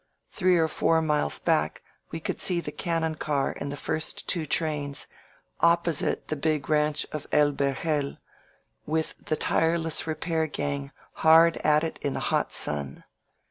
Three or four miles back we could see the can non car and the first two trains, opposite the big ranch of El Verjel, with the tireless repair gang hard at it in the hot sun.